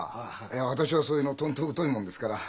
いや私はそういうのとんと疎いもんですから。